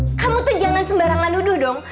zak kamu tuh jangan sembarangan duduh dong